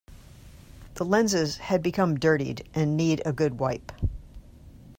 The lenses had become dirtied and need a good wipe.